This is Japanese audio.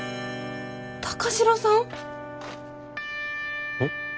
高城さん？え？